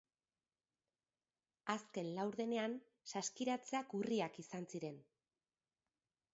Azken laurdenean saskiratzeak urriak izan ziren.